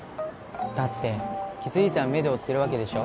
だって気づいたら目で追ってるわけでしょ？